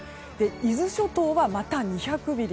伊豆諸島は、また２００ミリ。